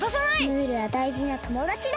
ムールはだいじなともだちだ！